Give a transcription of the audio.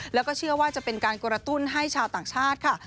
แล้วก็เชื่อว่าจะเป็นการกระตุ้นให้ชาวต่างชาติค่ะ